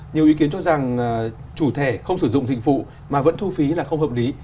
nhiều ý kiến cho rằng chủ thẻ không sử dụng thịnh phụ mà vẫn thu phí là không hợp lý